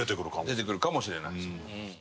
出てくるかもしれない。